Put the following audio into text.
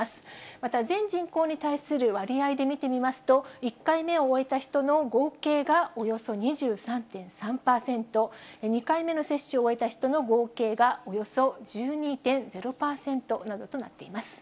また全人口に対する割合で見てみますと、１回目を終えた人の合計がおよそ２３．３％、２回目の接種を終えた人の合計がおよそ１２．０％などとなっています。